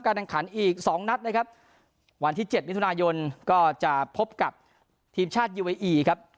แข่งขันอีกสองนัดนะครับวันที่เจ็ดมิถุนายนก็จะพบกับทีมชาติยูเออีครับ